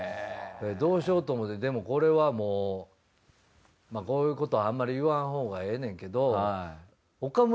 どうしようと思ってでもこれはもうこういうことあんまり言わんほうがええねんけど。